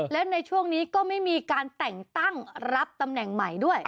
และในช่วงนี้ก็ไม่มีการแต่งตั้งรับตำแหน่งใหม่ด้วย